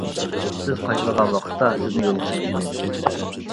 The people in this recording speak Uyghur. سىز قايتىدىغان ۋاقىتتا سىزنى يولغا سېلىپ قويىمىز.